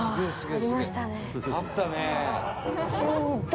「あったね」